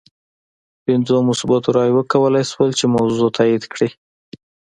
پنځو مثبتو رایو وکولای شول چې موضوع تایید کړي.